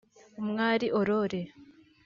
Umwali Aurore